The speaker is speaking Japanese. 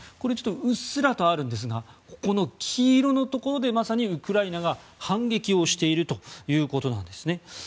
うっすらとあるんですが黄色のところでまさにウクライナが反撃をしているということなんですね。